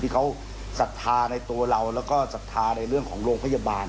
ที่เขาศรัทธาในตัวเราแล้วก็ศรัทธาในเรื่องของโรงพยาบาล